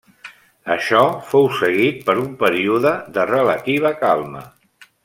Això fou seguit per un període de relativa calma.